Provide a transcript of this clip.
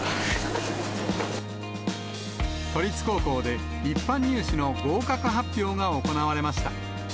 都立高校で一般入試の合格発表が行われました。